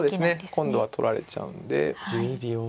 そうですね今度は取られちゃうんで。